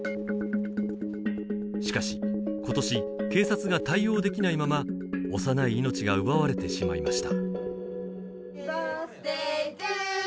しかし今年警察が対応できないまま幼い命が奪われてしまいました